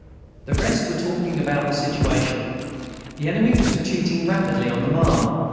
The rest were talking about the situation. The enemy was retreating rapidly on the Marne.